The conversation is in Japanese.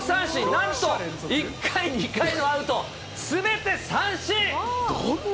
なんと、１回、２回のアウト、どんな？